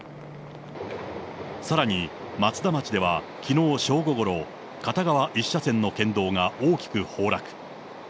さらに、松田町ではきのう正午ごろ、片側１車線の県道が大きく崩落。